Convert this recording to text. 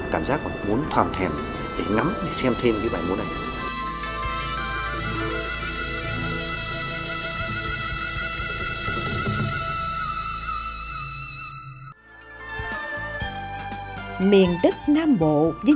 cảm giác mình muốn toàn thèm để ngắm để xem thêm bài múa này